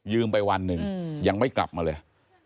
ไปวันหนึ่งยังไม่กลับมาเลย